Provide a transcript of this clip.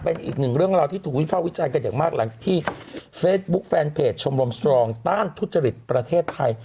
เป็นอีกหนึ่งเรื่องราวที่ถูกวิภาควิจารณ์กันอย่างมากหลังที่เฟซบุ๊คแฟนเพจชมรมสตรองต้านทุจริตประเทศไทย